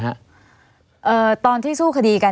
ไม่มีครับไม่มีครับ